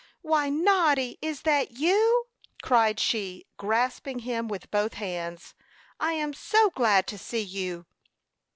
"Why, Noddy! It that you?" cried she, grasping him with both hands. "I am so glad to see you!"